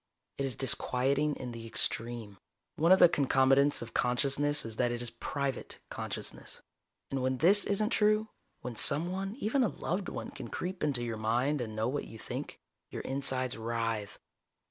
It is disquieting in the extreme. One of the concomitants of consciousness is that it is private consciousness. And when this isn't true, when someone, even a loved one, can creep into your mind and know what you think, your insides writhe.